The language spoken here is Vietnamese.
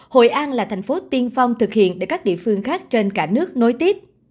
hội an là thành phố tiên phong thực hiện để các địa phương khác trên cả nước nối tiếp